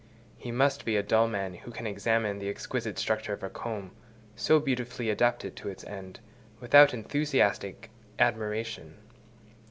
He must be a dull man who can examine the exquisite structure of a comb, so beautifully adapted to its end, without enthusiastic admiration.